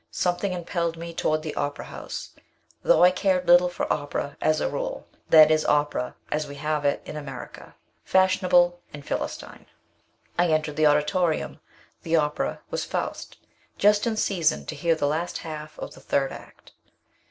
Something impelled me toward the Opera House, though I cared little for opera as a rule, that is, opera as we have it in America fashionable and Philistine. I entered the auditorium the opera was "Faust" just in season to hear the last half of the third act.